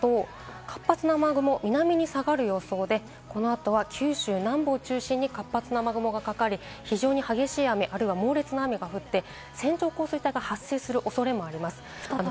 活発な雨雲、南に下がる予想で、この後は九州南部を中心に活発な雨雲がかかり、非常に激しい雨、もしくは猛烈な雨が降って線状降水帯が発生する恐れがあります。